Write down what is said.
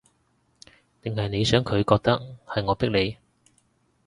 定係你想佢覺得，係我逼你